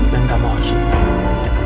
dan kamu harus jauh